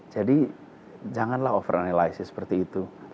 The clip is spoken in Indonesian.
jadi janganlah overanalyze seperti itu